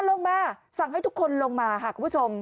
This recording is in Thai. ลงมาสั่งให้ทุกคนลงมาค่ะคุณผู้ชม